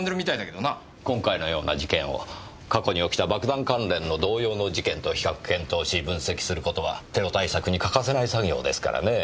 今回のような事件を過去に起きた爆弾関連の同様の事件と比較検討し分析する事はテロ対策に欠かせない作業ですからねぇ。